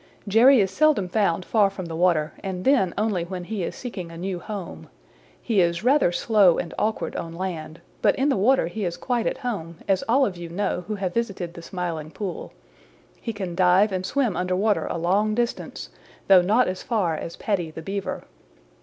"Jerry is seldom found far from the water and then only when he is seeking a new home. He is rather slow and awkward on land; but in the water he is quite at home, as all of you know who have visited the Smiling Pool. He can dive and swim under water a long distance, though not as far as Paddy the Beaver."